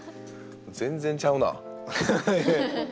全然ちゃうな。